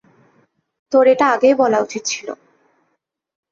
তোর এটা আগেই বলা উচিৎ ছিল।